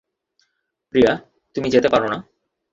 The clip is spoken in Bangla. প্রিয়া, তুমি না যেতে পারো না।